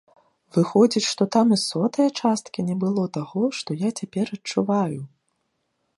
Выходзіць, што там і сотае часткі не было таго, што я цяпер адчуваю.